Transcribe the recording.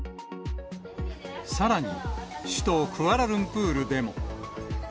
さらに、首都クアラルンプールでも。